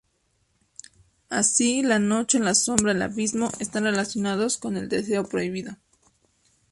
Así, la noche, la sombra, el abismo, están relacionados con el deseo prohibido.